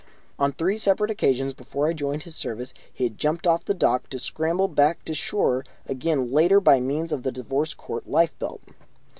On three separate occasions before I joined his service he had jumped off the dock, to scramble back to shore again later by means of the Divorce Court lifebelt.